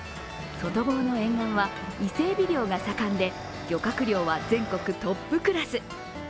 外房の沿岸は伊勢えび漁が盛んで、漁獲量は全国トップクラス。